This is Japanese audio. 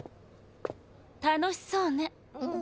楽しそうね。